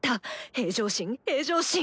平常心平常心。